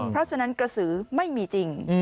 เพราะฉะนั้นกระสือไม่มีจริง